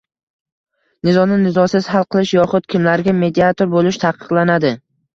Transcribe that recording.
Nizoni nizosiz hal qilish yoxud kimlarga mediator bo‘lish taqiqlanadi?ng